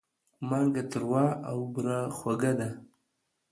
مالګه تروه او بوره خوږه ده.